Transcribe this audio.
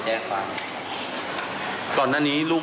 แล้วเราก็มาฝากเลี้ยง